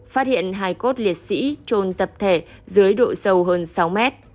phát hiện hai cốt liệt sĩ trôn tập thể dưới độ sâu hơn sáu mét